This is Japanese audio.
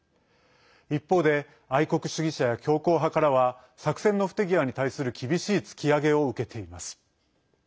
一方で、愛国主義者や強硬派からは作戦の不手際に対する厳しい突き上げを受けています。